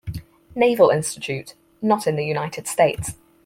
Naval Institute, not in the United States.